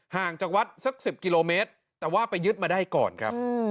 ห่างจากวัดสัก๑๐กิโลเมตรแต่ว่าไปยึดมาได้ก่อนครับ